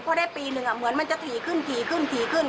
พอได้ปีหนึ่งเหมือนมันจะถี่ขึ้นถี่ขึ้นถี่ขึ้น